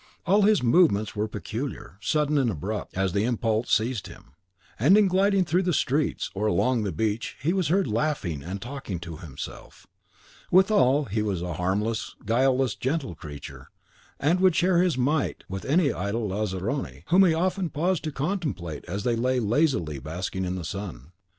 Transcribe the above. All his movements were peculiar, sudden, and abrupt, as the impulse seized him; and in gliding through the streets, or along the beach, he was heard laughing and talking to himself. Withal, he was a harmless, guileless, gentle creature, and would share his mite with any idle lazzaroni, whom he often paused to contemplate as they lay lazily basking in the sun.